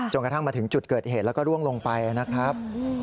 กระทั่งมาถึงจุดเกิดเหตุแล้วก็ร่วงลงไปนะครับ